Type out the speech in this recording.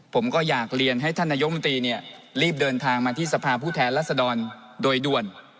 ผมก็อยากเรียนให้ท่านนายมนตรีรีบเดินทางมาที่สภาพผู้แทนรัศดรโดยด่วน